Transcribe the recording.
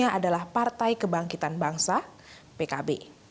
yang adalah partai kebangkitan bangsa pkb